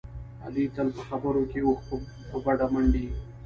علي تل په خبرو کې اوښ په بډه منډي.